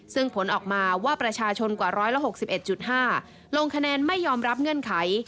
ซึ่งผลออกมาว่าประชาชนกว่า๑๖๑๕ลงคะแนนไม่ยอมรับเงื่อนไข